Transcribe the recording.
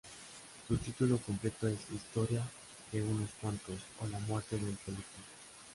Su título completo es "Historia de unos cuantos, o la muerte del Felipe".